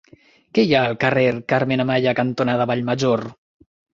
Què hi ha al carrer Carmen Amaya cantonada Vallmajor?